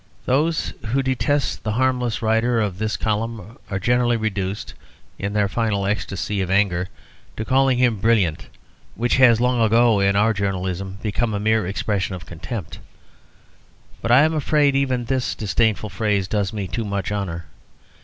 Those who detest the harmless writer of this column are generally reduced (in their final ecstasy of anger) to calling him "brilliant;" which has long ago in our journalism become a mere expression of contempt. But I am afraid that even this disdainful phrase does me too much honour.